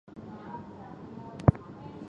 菲氏叶猴分成三个亚种